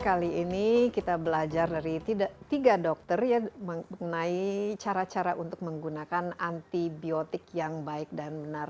kali ini kita belajar dari tiga dokter ya mengenai cara cara untuk menggunakan antibiotik yang baik dan benar